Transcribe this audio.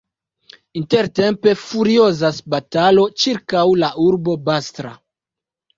Intertempe furiozas batalo ĉirkaŭ la urbo Basra.